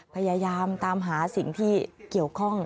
พยายามตามหาสิ่งที่เกี่ยวข้อง